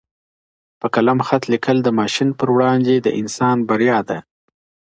په قلم خط لیکل د ماشین پر وړاندي د انسان بریا ده.